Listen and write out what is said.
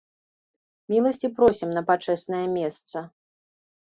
Міласці просім на пачэснае месца.